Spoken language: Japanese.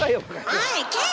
おい健！